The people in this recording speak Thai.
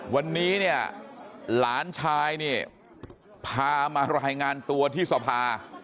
วันนี้เนี่ยหลานชายเนี่ยพามารายงานตัวที่สภา